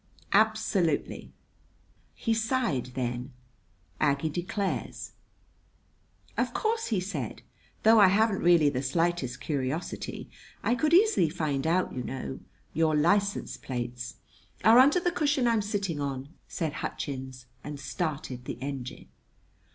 "Absolutely!" He sighed then, Aggie declares. "Of course," he said, "though I haven't really the slightest curiosity, I could easily find out, you know. Your license plates " "Are under the cushion I'm sitting on," said Hutchins, and started the engine.